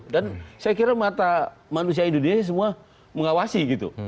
dan saya kira mata manusia indonesia semua mengawasi